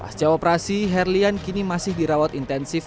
pasca operasi herlian kini masih dirawat intensif